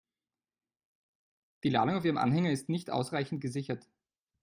Die Ladung auf Ihrem Anhänger ist nicht ausreichend gesichert.